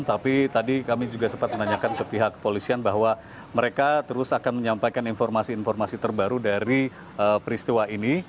tapi tadi kami juga sempat menanyakan ke pihak kepolisian bahwa mereka terus akan menyampaikan informasi informasi terbaru dari peristiwa ini